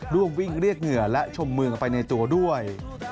ร่วมวิ่งเรียกเหงื่อและชมเมืองไปในตัวด้วย